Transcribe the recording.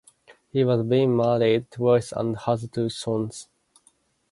He has been married twice and has two sons.